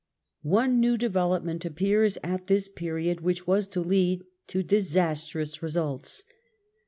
One new development appears at this period, which was to lead to disastrous results.